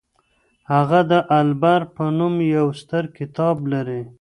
هغه د العبر په نوم يو ستر کتاب لري.